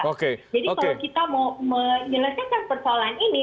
jadi kalau kita mau menyelesaikan persoalan ini